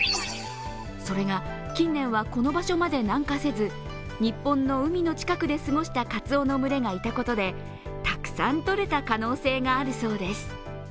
それが近年はこの場所まで南下せず、日本の海の近くで過ごしたかつおの群れがいたことでたくさんとれた可能性があるそうです。